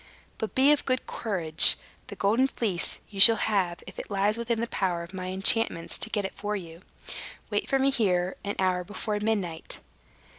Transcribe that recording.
But be of good courage. The Golden Fleece you shall have, if it lies within the power of my enchantments to get it for you. Wait for me here an hour before midnight."